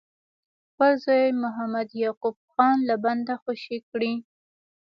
خپل زوی محمد یعقوب خان له بنده خوشي کړي.